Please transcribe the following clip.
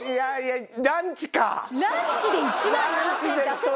ランチで１万７０００円出せます？